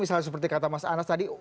misalnya seperti kata mas anas tadi